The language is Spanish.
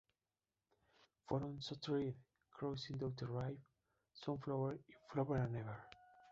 Fueron "So Tired", "Cruising Down the River", "Sunflower" y "Forever and Ever.